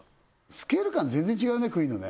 スケール感全然違うね杭のね